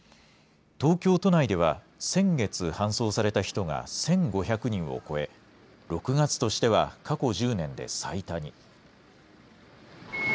東京都内では、先月搬送された人が１５００人を超え、６月としては過去１０年で最多に。